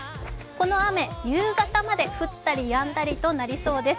この雨、夕方まで降ったりやんだりとなりそうです。